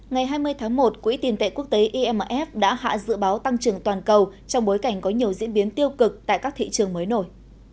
ngày hai mươi tháng một quỹ tiền tệ quốc tế imf đã hạ dự báo tăng trưởng toàn cầu trong bối cảnh có nhiều diễn biến tiêu cực tại các thị trường mới nổi